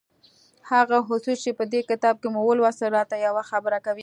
هغه اصول چې په دې کتاب کې مو ولوستل را ته يوه خبره کوي.